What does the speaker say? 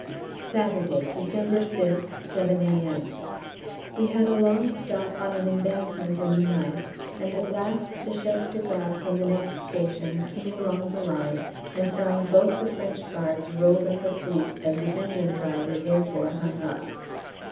Saturday, December 5th, 7 A.M. We had a long stop on an embankment in the night, and at last the Chef de Gare from the next station came along the line and found both the French guards rolled up asleep and the engine driver therefore hung up.